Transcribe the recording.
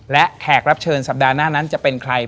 และแขกรับเชิญสัปดาห์หน้านั้นจะเป็นใคร